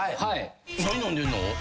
何飲んでんの？